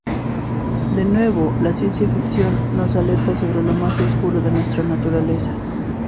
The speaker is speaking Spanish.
De nuevo, la ciencia ficción nos alerta sobre lo más oscuro de nuestra naturaleza.